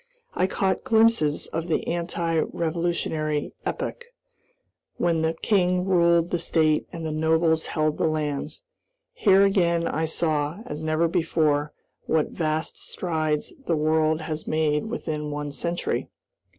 I caught glimpses of the anti revolutionary epoch, when the king ruled the state and the nobles held the lands. Here again I saw, as never before, what vast strides the world has made within one century.